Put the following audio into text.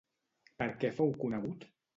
Per què fou conegut?